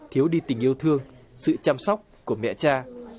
thiếu đi tình yêu thương sự chăm sóc của mẹ cha